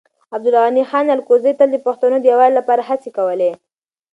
عبدالغني خان الکوزی تل د پښتنو د يووالي لپاره هڅې کولې.